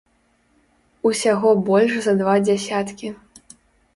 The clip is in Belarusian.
Усяго больш за два дзясяткі.